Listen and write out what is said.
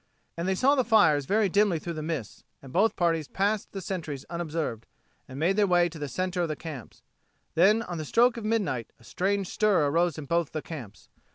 And they saw the fires very dimly through the mist, and both parties passed the sentries unobserved, and made their way to the centre of the camps. Then, on the stroke of midnight, a strange stir arose in both the camps.